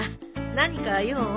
何か用？